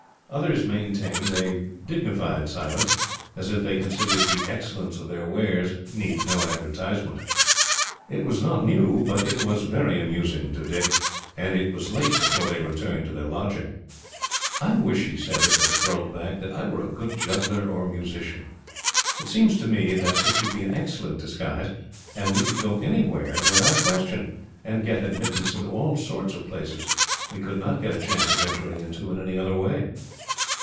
Others maintained a dignified silence, as if they considered the excellence of their wares needed no advertisement. It was not new, but it was very amusing to Dick, and it was late before they returned to their lodging. "I wish," he said, as they strolled back, "that I were a good juggler or musician. It seems to me that it would be an excellent disguise, and we could go everywhere without question, and get admittance into all sorts of places we could not get a chance of entering into in any other way."